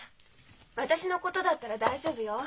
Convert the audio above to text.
私のことだったら大丈夫よ。